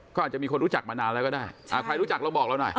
ก็อาจจะมีคนรู้จักมานานแล้วก็ได้อ่าใครรู้จักเราบอกเราหน่อย